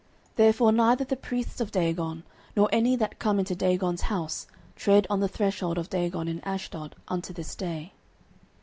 09:005:005 Therefore neither the priests of Dagon, nor any that come into Dagon's house, tread on the threshold of Dagon in Ashdod unto this day.